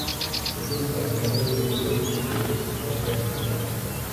Estos aparcamientos, varios de ellos de enormes dimensiones